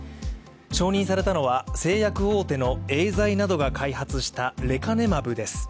承認されたのは製薬大手のエーザイなどが開発したレカネマブです。